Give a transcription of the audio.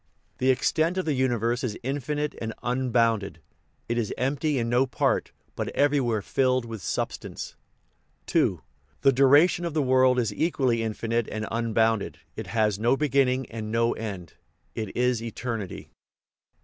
The extent of the universe is infinite and un bounded ; it is empty in no part, but everywhere filled with substance. II. The duration of the world is equally infinite and unbounded ; it has no beginning and no end : it is eternity. III.